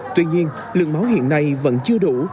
tuy nhiên lượng máu hiện nay vẫn chưa đủ